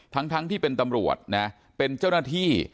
ทั้งที่เป็นตำรวจนะเป็นเจ้าหน้าที่